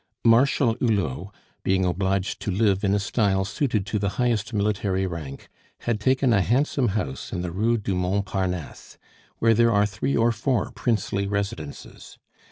Marshal Hulot, being obliged to live in a style suited to the highest military rank, had taken a handsome house in the Rue du Mont Parnasse, where there are three or four princely residences.